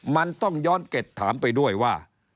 มันต้องย้อนเก็ดถามไปด้วยว่า